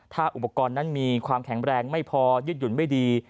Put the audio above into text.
ถ้าอุปกรณ์นั้นมีความแข็งแรงไม่พอยึดหยุ่นไม่ดี